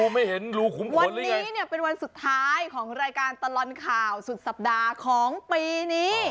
ไม่เห็นรูคุมวันนี้เนี่ยเป็นวันสุดท้ายของรายการตลอดข่าวสุดสัปดาห์ของปีนี้